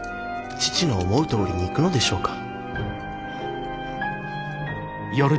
父の思うとおりにいくのでしょうか？